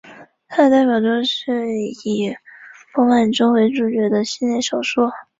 他的代表作是以傅满洲为主角的系列小说。